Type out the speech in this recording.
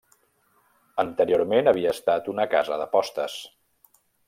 Anteriorment havia estat una Casa de Postes.